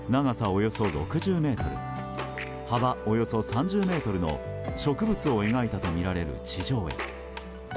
およそ６０ｍ幅およそ３０ｍの植物を描いたとみられる地上絵。